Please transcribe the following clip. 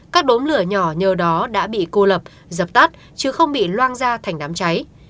các đốm lửa nhỏ nhờ đó đã bị cô lập dập tắt chứ không bị loang ra thành đám cháy